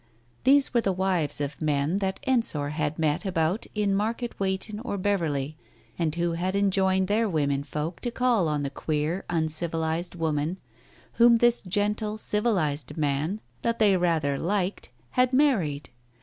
These were the wives of men that Ensor had met about in Market Weighton or Beverley, and who had enjoined their women folk to call on the queer, uncivilized woman whom this gentle, civilized man that they rather liked, had married.